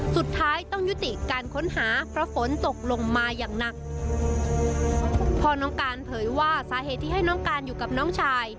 สุดท้ายต้องยุติการค้นหาเพราะฝนตกลงมาอย่างหนักพ่อน้องการเผยว่าสาเหตุที่ให้น้องการอยู่กับน้องชาย